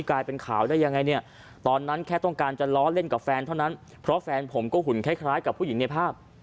กลายเป็นข่าวได้ยังไงเนี่ยตอนนั้นแค่ต้องการจะล้อเล่นกับแฟนเท่านั้นเพราะแฟนผมก็หุ่นคล้ายกับผู้หญิงในภาพ